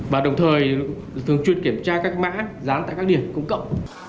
và đồng thời thường truyền kiểm tra các mã dán tại các điểm cung cấp